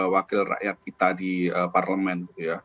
wakil rakyat kita di parlemen